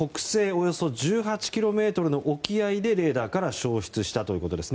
およそ１８ｋｍの沖合でレーダーから消失したということです。